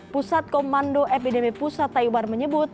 pusat komando epidemi pusat taiwan menyebut